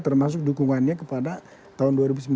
termasuk dukungannya kepada tahun dua ribu sembilan belas